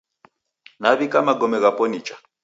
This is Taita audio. Nawika magome ghapo nicha